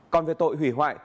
còn về tội hủy hoại